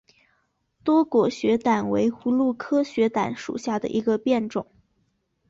多果雪胆为葫芦科雪胆属下的一个变种。